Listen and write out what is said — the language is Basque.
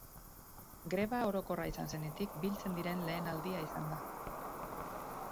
Greba orokorra izan zenetik biltzen diren lehen aldia izan da.